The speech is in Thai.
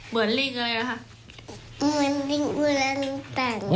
เหมือนลิงอะไรหรือคะ